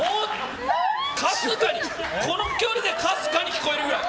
かすかに、この距離でかすかに聞こえるくらい。